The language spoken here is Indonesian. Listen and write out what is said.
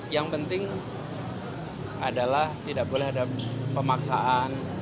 yang penting adalah tidak boleh ada pemaksaan